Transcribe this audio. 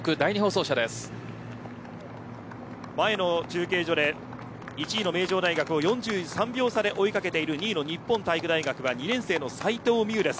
前の中継所で１位の名城大学を４３秒差で追い掛けている２位の日本体育大学は２年生の齋藤みうです。